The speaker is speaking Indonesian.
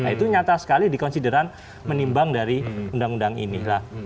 itu nyata sekali dikonsideran menimbang dari undang undang ini